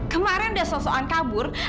kemarin udah sosokan kaburnya